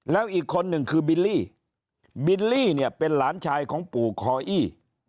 แล้วอีกคนหนึ่งคือบิลลี่บิลลี่เนี่ยเป็นหลานชายของปู่คออี้